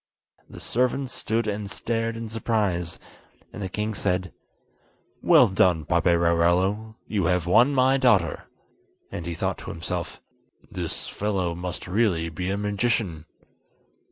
The servants stood and stared in surprise, and the king said: "Well done, Paperarello, you have won my daughter." And he thought to himself: "This fellow must really be a magician."